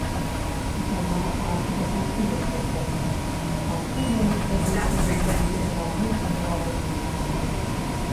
Яна аж захапілася гэтым, пачула ў сябе прылівы непераможнай радаснай сілы.